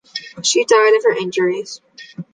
She died of her injuries.